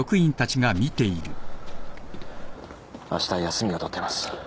あした休みを取ってます。